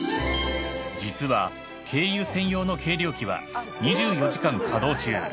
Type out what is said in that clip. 実は軽油専用の計量器は２４時間稼働中。